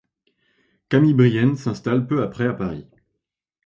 Camille Bryen s'installe peu après à Paris.